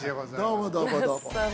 どうもどうもどうも。